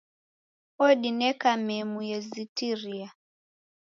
Odineka memu yezitiria